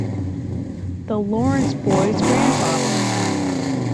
The Laurence boy's grandfather!